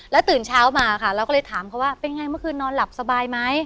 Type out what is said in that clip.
ตื่นเช้ามาค่ะเราก็เลยถามเขาว่าเป็นไงเมื่อคืนนอนหลับสบายไหม